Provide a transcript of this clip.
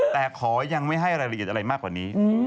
แต่ขอยังไม่ให้รายละเอียดอะไรมากกว่านี้